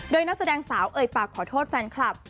โดยนักแสดงสาวเอ่ยปากขอโทษแฟนคลับ